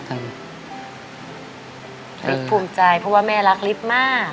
ภูมิใจเพราะว่าแม่รักลิฟต์มาก